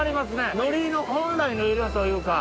海苔の本来の色というか。